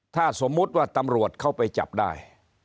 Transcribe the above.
ถ้าสมมุติว่าตำรวจเข้าไปจับได้